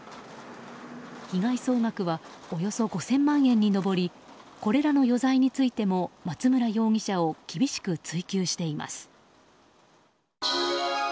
被害総額はおよそ５０００万円に上りこれらの余罪についても松村容疑者を厳しく追及してます。